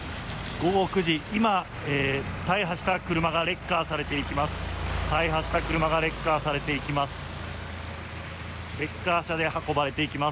午後９時、今、大破した車がレッカーされていきます。